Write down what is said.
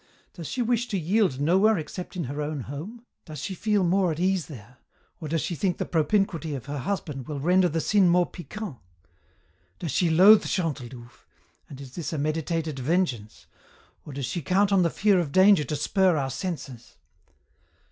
Does she wish to yield nowhere except in her own home? Does she feel more at ease there, or does she think the propinquity of her husband will render the sin more piquant? Does she loathe Chantelouve, and is this a meditated vengeance, or does she count on the fear of danger to spur our senses?